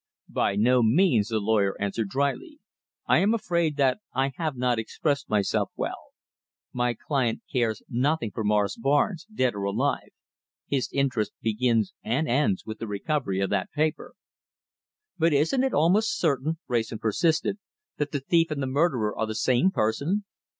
"By no means," the lawyer answered dryly. "I am afraid that I have not expressed myself well. My client cares nothing for Morris Barnes, dead or alive. His interest begins and ends with the recovery of that paper." "But isn't it almost certain," Wrayson persisted, "that the thief and the murderer are the same person?